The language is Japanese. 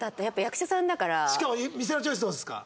しかも店のチョイスどうですか？